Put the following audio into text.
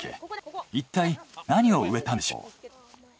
いったい何を植えたんでしょう？